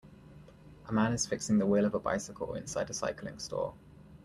A man is fixing the wheel of a bicycle inside a cycling store.